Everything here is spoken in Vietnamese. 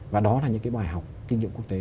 và đó là những cái bài học kinh nghiệm quốc tế